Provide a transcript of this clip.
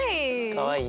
かわいい。